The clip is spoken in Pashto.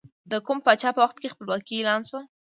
د کوم پاچا په وخت کې خپلواکي اعلان شوه؟